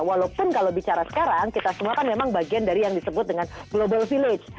walaupun kalau bicara sekarang kita semua kan memang bagian dari yang disebut dengan global village